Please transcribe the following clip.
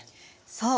そう。